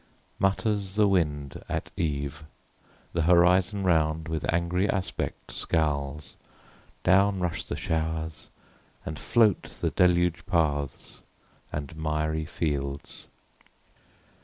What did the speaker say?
Mutters the wind at eve; th' horizon round With angry aspect scowls: down rush the showers, And float the deluged paths, and miry fields.